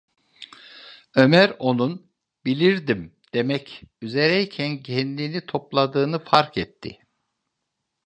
Ömer onun "bilirdim" demek üzereyken kendini topladığını fark etti.